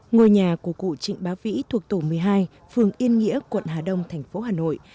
ngôi nhà của cụ trịnh bá vĩ thuộc tổ một mươi hai phường yên nghĩa quận hà đông thành phố hà nội